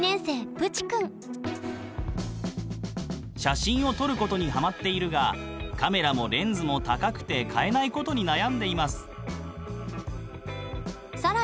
写真を撮ることにハマっているがカメラもレンズも高くて買えないことに悩んでいます。